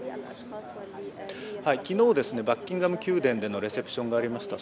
昨日、バッキンガム宮殿でのレセプションがありました。